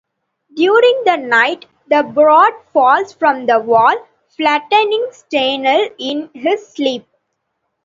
During the night the board falls from the wall, flattening Stanley in his sleep.